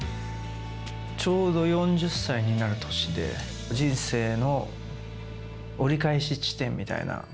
ちょうど４０歳になる年で、人生の折り返し地点みたいな。